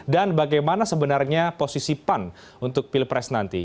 dan bagaimana sebenarnya posisi pan untuk pilpres nanti